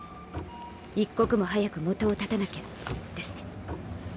一刻も早く元を絶たなきゃですね。